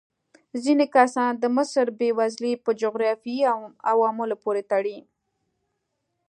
ځینې کسان د مصر بېوزلي په جغرافیايي عواملو پورې تړي.